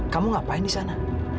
kamu ngapain di sana